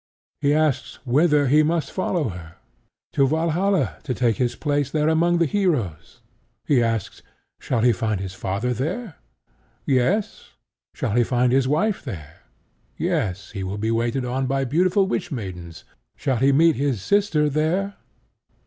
He asks whither he must follow her. To Valhalla, to take his place there among the heroes. He asks, shall he find his father there? Yes. Shall he find a wife there? Yes: he will be waited on by beautiful wishmaidens. Shall he meet his sister there?